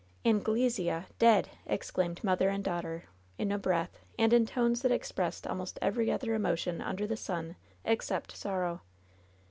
'^ "Anglesea — dead !" exclaimed mother and daughter, in a breath, and in tones that expressed almost every other emotion under the sim, except sorrow.